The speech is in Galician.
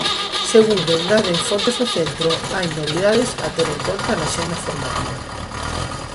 Segundo engaden fontes do centro, hai novidades a ter en conta na axenda formativa.